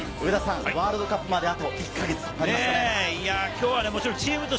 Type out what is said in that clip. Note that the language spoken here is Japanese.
ワールドカップまで、いよいよ１か月となりましたね。